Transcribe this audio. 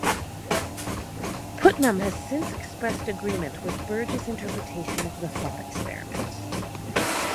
Putnam has since expressed agreement with Burge's interpretation of the thought experiment.